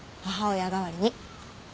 母親代わりに。